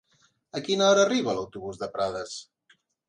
A quina hora arriba l'autobús de Prades?